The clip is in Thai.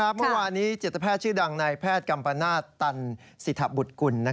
เมื่อวานนี้จิตแพทย์ชื่อดังนายแพทย์กัมปนาศตันสิทธบุตรกุล